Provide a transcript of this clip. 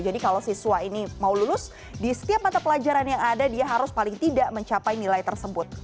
jadi kalau siswa ini mau lulus di setiap mata pelajaran yang ada dia harus paling tidak mencapai nilai tersebut